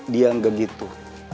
dian gak gitu